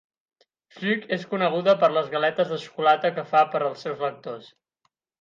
Fluke es coneguda per les galetes de xocolata que fa per als seus lectors.